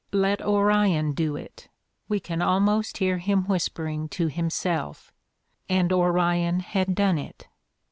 Let Orion do it ! we can almost hear him whispering to himself; and Orion had done it.